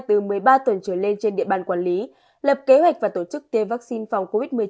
từ một mươi ba tuần trở lên trên địa bàn quản lý lập kế hoạch và tổ chức tiêm vaccine phòng covid một mươi chín